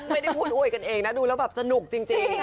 ไม่ได้พูดคุยกันเองนะดูแล้วแบบสนุกจริง